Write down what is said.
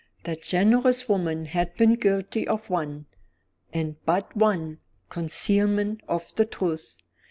That generous woman had been guilty of one, and but one, concealment of the truth.